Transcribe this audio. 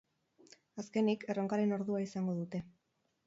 Azkenik, erronkaren ordua izango dute.